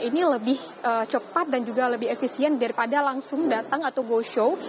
ini lebih cepat dan juga lebih efisien daripada langsung datang atau go show